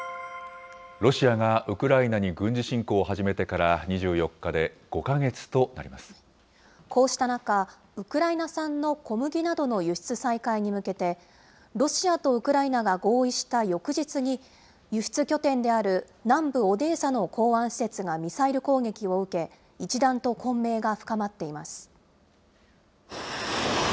ロシアがウクライナに軍事侵攻を始めてから２４日で５か月となりこうした中、ウクライナ産の小麦などの輸出再開に向けて、ロシアとウクライナが合意した翌日に、輸出拠点である南部オデーサの港湾施設がミサイル攻撃を受け、一段と混迷が深まっています。